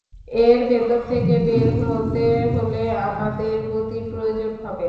এর ভেতর থেকে বের হতে হলে আমাদের গতির প্রয়োজন হবে।